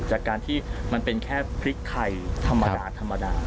จากการที่มันเป็นแค่พริกไทยธรรมดาธรรมดา